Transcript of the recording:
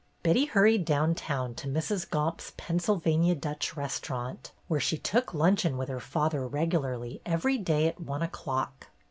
Betty hurried down town, to Mrs. Gomp's Pennsylvania Dutch restaurant, where she took luncheon with her father regularly every day at one o'clock.